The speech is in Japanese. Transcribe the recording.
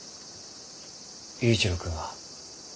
佑一郎君は？